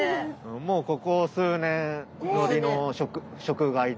もうここ数年のりの食害で。